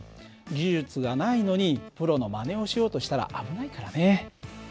技術がないのにプロのまねをしようとしたら危ないからね。